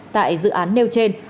tại dự án nêu trên